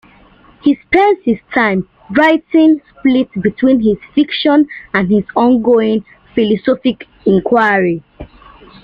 He spends his time writing split between his fiction and his ongoing philosophic inquiry.